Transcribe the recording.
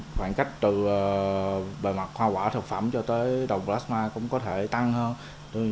khoảng cách từ bề mặt hoa quả thực phẩm cho tới đầu plasma cũng có thể tăng hơn